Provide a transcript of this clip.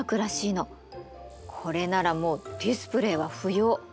これならもうディスプレイは不要。